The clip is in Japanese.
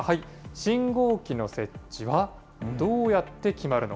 信号機の設置はどうやって決まるの？